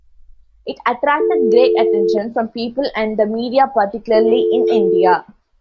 It attracted great attention from people and the media particularly in India.